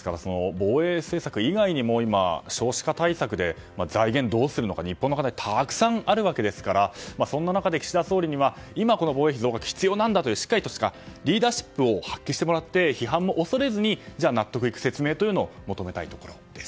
防衛政策以外にも今少子化対策で財源をどうするのか日本の課題はたくさんあるわけですからそんな中で岸田総理には今、防衛費増額が必要なんだというしっかりとしたリーダーシップを発揮してもらって批判を恐れずに納得いく説明を求めたいところです。